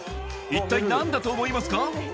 一体何だと思いますか？